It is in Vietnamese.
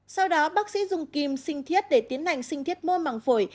sau đó bác sĩ dùng kim sinh thiết để tiến hành sinh thiết mô măng phổi